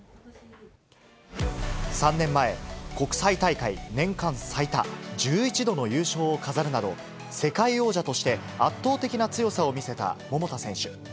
３年前、国際大会年間最多、１１度の優勝を飾るなど、世界王者として圧倒的な強さを見せた桃田選手。